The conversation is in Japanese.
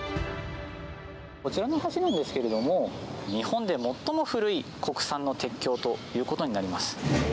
こちらの橋なんですけれども、日本で最も古い国産の鉄橋ということになります。